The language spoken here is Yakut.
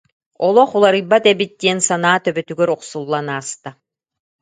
Олох уларыйбат эбит диэн санаа төбөтүгэр охсуллан ааста